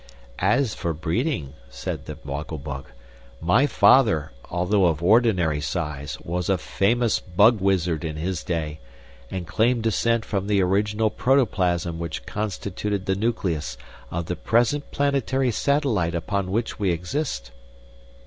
"As for breeding," said the Woggle Bug, "my father, although of ordinary size, was a famous Bug Wizard in his day, and claimed descent from the original protoplasm which constituted the nucleus of the present planetary satellite upon which we exist."